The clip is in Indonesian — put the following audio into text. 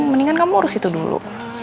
mendingan kamu harus itu dulu